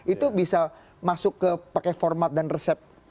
itu bisa masuk ke pakai format dan resep